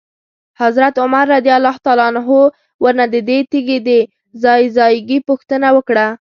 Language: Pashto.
حضرت عمر رضی الله عنه ورنه ددې تیږي د ځای ځایګي پوښتنه وکړه.